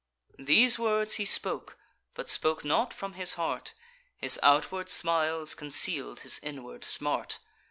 These words he spoke, but spoke not from his heart; His outward smiles conceal'd his inward smart.